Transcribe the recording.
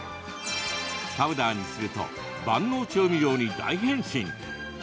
パウダーにすると万能調味料に大変身。